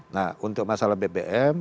nah untuk masalah bbm